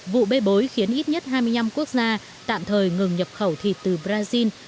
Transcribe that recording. vụ bê bối khiến ít nhất hai mươi năm quốc gia tạm thời ngừng nhập khẩu thịt từ brazil